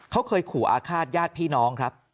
เขาเคยขู่อาฆาตญาติพี่น้องครับ